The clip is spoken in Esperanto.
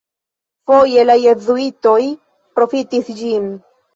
Foje la jezuitoj profitis ĝin.